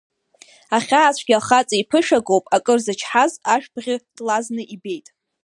Ахьаацәгьа ахаҵа иԥышәагоуп, акыр зычҳаз ашә-бӷьы тлазны ибеит.